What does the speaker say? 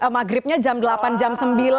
maghribnya jam delapan jam sembilan